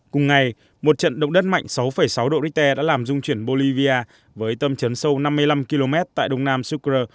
cùng ngày một trận động đất mạnh sáu sáu độ richter đã làm dung chuyển bolivia với tâm trấn sâu năm mươi năm km tại đông nam sukher